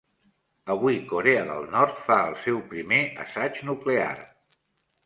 Avui Corea del Nord fa el seu primer assaig nuclear.